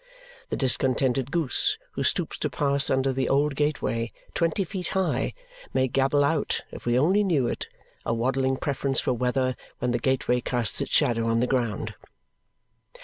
The discontented goose, who stoops to pass under the old gateway, twenty feet high, may gabble out, if we only knew it, a waddling preference for weather when the gateway casts its shadow on the ground.